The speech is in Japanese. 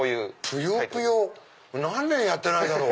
『ぷよぷよ』何年やってないだろ？